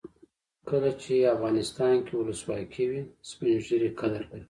کله چې افغانستان کې ولسواکي وي سپین ږیري قدر لري.